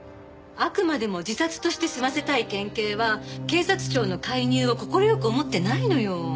あくまでも自殺として済ませたい県警は警察庁の介入を快く思ってないのよ。